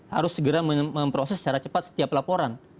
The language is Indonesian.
harus segera memproses secara cepat setiap laporan